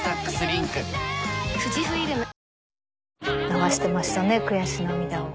流してましたね悔し涙を。